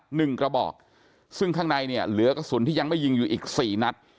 หนึ่งกระบอกซึ่งข้างในเนี่ยเหลือกระสุนที่ยังไม่ยิงอยู่อีกสี่นัด